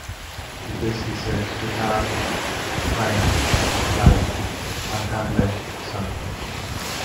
To this, he is said to have grinned and replied, I'll handle it, son.